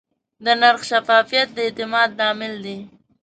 د نرخ شفافیت د اعتماد لامل دی.